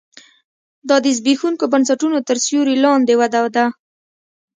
دا د زبېښونکو بنسټونو تر سیوري لاندې وده ده